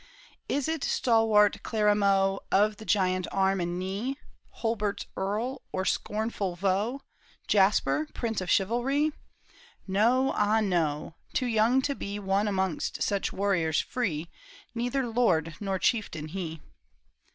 Is it stalwart Clarimaux Of the giant arm and knee ? Holbert's earl, or scornful Vaux ? Jasper, prince of chivalry ? No, ah no ; too young to be One amongst such warriors free, Neither lord nor chieftain he.